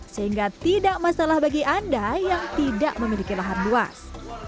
sehingga tidak masalah bagi anda yang tidak memiliki lahan luas